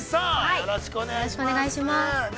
よろしくお願いします。